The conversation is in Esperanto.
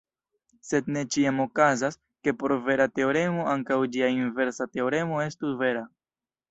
Sed ne ĉiam okazas, ke por vera teoremo ankaŭ ĝia inversa teoremo estu vera.